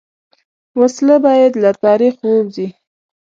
وسله باید له تاریخ ووځي